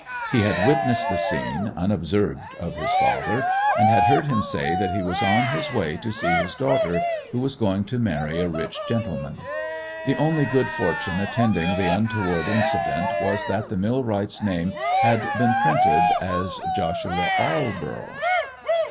He had witnessed the scene, unobserved of his father, and had heard him say that he was on his way to see his daughter, who was going to marry a rich gentleman. The only good fortune attending the untoward incident was that the millwright's name had been printed as Joshua Alborough.